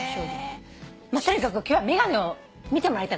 とにかく今日は眼鏡を見てもらいたかった。